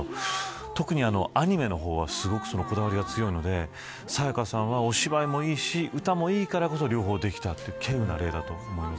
特にアニメの方はすごくこだわりが強いので沙也加さんは、お芝居もいいし歌もいいからこそ両方できたという稀有な例だと思います。